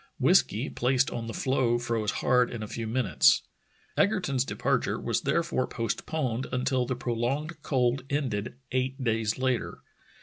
Whiskey placed on the floe froze hard in a few minutes. Egerton's departure was therefore postponed until the prolonged cold ended eight days later.